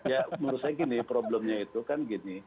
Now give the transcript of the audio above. ya menurut saya gini problemnya itu kan gini